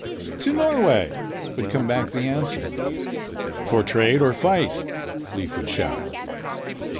"To Norway," would come back the answer. "For trade or fight?" Leif would shout.